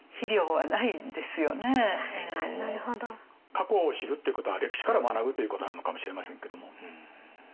過去を知るっていうことは歴史から学ぶということなのかもしれませんけども。